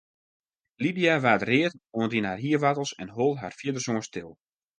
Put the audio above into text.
Lydia waard read oant yn de hierwoartels en hold har fierdersoan stil.